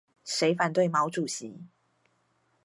誰反對毛主席